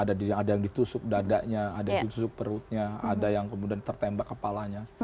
ada yang ditusuk dadanya ada yang ditusuk perutnya ada yang kemudian tertembak kepalanya